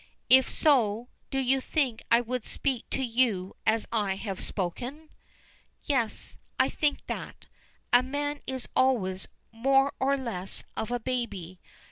"If so do you think I would speak to you as I have spoken?" "Yes. I think that. A man is always more or less of a baby.